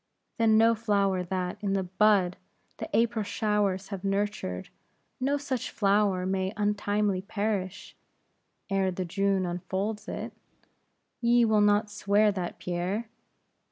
"Then no flower that, in the bud, the April showers have nurtured; no such flower may untimely perish, ere the June unfolds it? Ye will not swear that, Pierre?"